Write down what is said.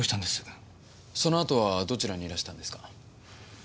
そのあとはどちらにいらしたんですか？